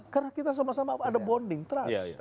karena kita sama sama ada bonding trust